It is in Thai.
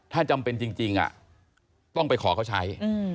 ถ้าจำเป็นจริงต้องไปขอเขาใช้